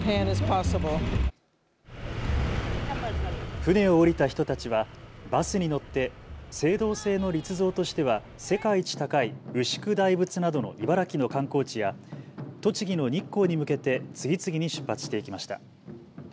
船を降りた人たちはバスに乗って青銅製の立像としては世界一高い牛久大仏などの茨城の観光地や栃木の日光に向けて次々に出発していきました。